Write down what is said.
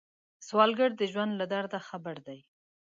سوالګر د ژوند له درده خبر دی